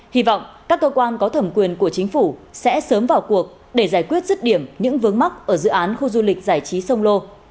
hy vọng các cơ quan có thẩm quyền của chính phủ sẽ sớm vào cuộc để giải quyết rứt điểm những vướng mắc ở dự án khu du lịch giải trí sông lô